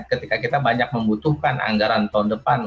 ketika kita banyak membutuhkan anggaran tahun depan